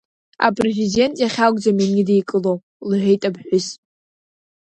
Апрезидент иахьакәӡам ианидикыло, – лҳәеит аԥҳәыс.